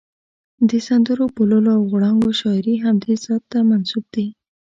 د سندرو، بوللو او غړانګو شاعري همدې ذات ته منسوب دي.